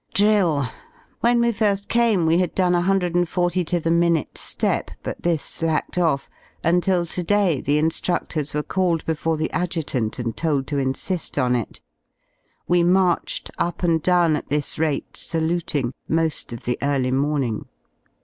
Drill ! When we fir^ came we had done a 140 to the minute Aepjbut this slacked off, until to day theins^ruftors were called before the Adjutant and told to insi^ on it. We marched up and down at this rate, saluting, mo^ of the early morning.